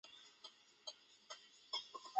波密溲疏为虎耳草科溲疏属下的一个种。